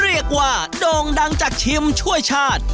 เรียกว่าโด่งดังจากชิมช่วยชาติ